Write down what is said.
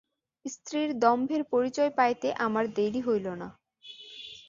স্ত্রীর দম্ভের পরিচয় পাইতে আমার দেরি হইল না।